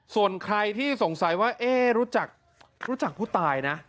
ส่วนใครที่สงสัยว่ารู้จักผู้ตายนะ